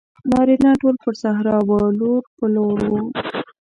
نارینه ټول پر صحرا وو لور په لور وو.